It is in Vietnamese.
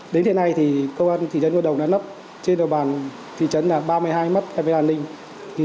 đến thế này công an thị trấn ngôi đồng đã nắp trên đòi bàn thị trấn ba mươi hai mắt camera an ninh